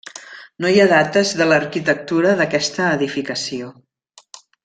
No hi ha dates de l'arquitectura d'aquesta edificació.